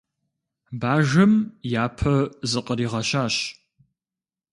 Бажэм япэ зыкъригъэщащ.